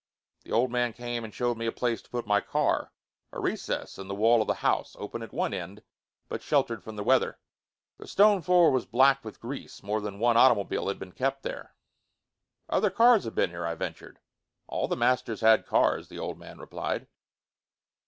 The old man came and showed me a place to put my car, a recess in the wall of the house, open at one end, but sheltered from the weather. The stone floor was black with grease; more than one automobile had been kept there. "Other cars have been here," I ventured. "All the masters had cars," the old man replied.